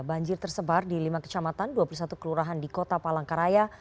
banjir tersebar di lima kecamatan dua puluh satu kelurahan di kota palangkaraya